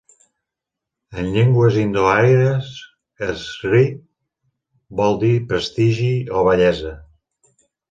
En llengües indoàries, Sri vol dir prestigi o bellesa.